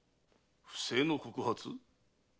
不正の告発？